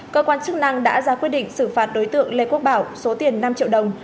cơ quan chức năng đã ra quyết định xử phạt đối tượng lê quốc bảo số tiền năm triệu đồng